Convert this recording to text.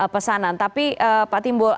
pesanan tapi pak timbul